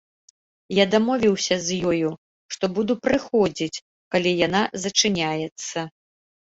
Я дамовіўся з ёю, што буду прыходзіць, калі яна зачыняецца.